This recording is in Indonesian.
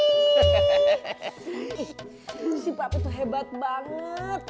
hihihi si papi tuh hebat banget